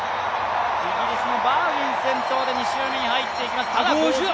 イギリスのバーギン先頭で２周目に入っていきます。